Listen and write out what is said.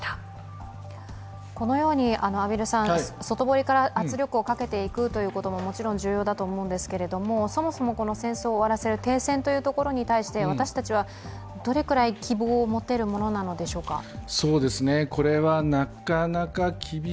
外堀から圧力をかけていくことももちろん重要だと思うんですけれども、そもそもこの戦争を終わらせる停戦というところに対して私たちはどれくらい希望を持てるものなのでしょうか。